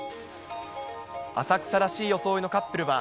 浅草らしい装いのカップルは、